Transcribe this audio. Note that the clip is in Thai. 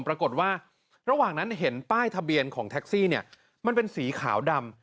ปรากฏว่าระหว่างนั้นเห็นป้ายทะเบียนของแท็กซี่เนี่ยมันเป็นสีขาวดำ